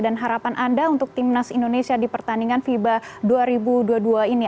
dan harapan anda untuk timnas indonesia di pertandingan fiba dua ribu dua puluh dua ini